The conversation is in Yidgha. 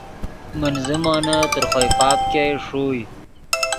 من زیمونے تر خوئے پاپ ګئے ݰوئے